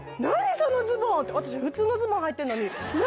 そのズボン」って私普通のズボンはいてんのに「何？